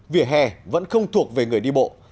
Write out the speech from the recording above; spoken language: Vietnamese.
vỉa hè vẫn không thuộc về người đi bộ